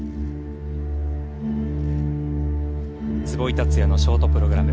壷井達也のショートプログラム。